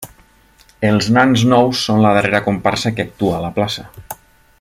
Els Nans Nous són la darrera comparsa que actua a la plaça.